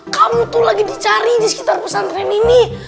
kamu tuh lagi dicari di sekitar pesantren ini